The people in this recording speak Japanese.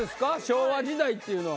昭和時代っていうのは。